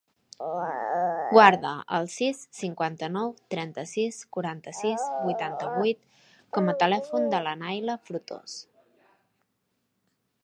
Guarda el sis, cinquanta-nou, trenta-sis, quaranta-sis, vuitanta-vuit com a telèfon de la Nayla Frutos.